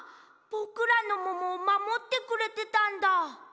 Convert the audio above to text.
ぼくらのももをまもってくれてたんだ。